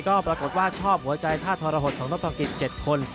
ก็ปรากฏว่าชอบหัวใจท่าทรหดของท่านพกิจ๗คน